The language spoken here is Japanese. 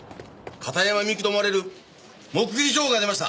片山みゆきと思われる目撃情報が出ました！